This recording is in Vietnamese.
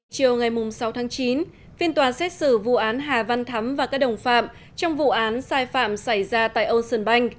chiều ngày sáu tháng chín phiên tòa xét xử vụ án hà văn thắm và các đồng phạm trong vụ án sai phạm xảy ra tại ocean bank